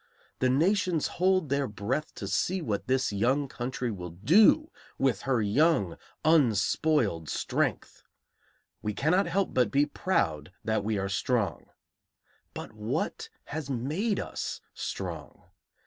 The nations hold their breath to see what this young country will do with her young unspoiled strength; we cannot help but be proud that we are strong. But what has made us strong?